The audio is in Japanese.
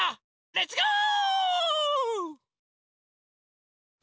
レッツゴー！